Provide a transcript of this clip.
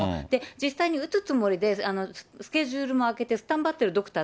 実際に打つつもりでスケジュールも空けてスタンバってるドクター